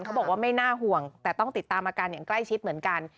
เขาบอกว่าไม่น่าห่วงแต่ต้องติดตามอาการอย่างใกล้ชิดเหมือนกัน